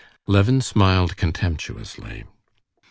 Levin smiled contemptuously.